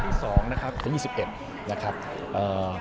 ตอนที่๒นะครับคือ๒๐๒๑